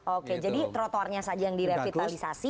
oke jadi trotoarnya saja yang direvitalisasi